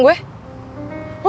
oke udah tuh aku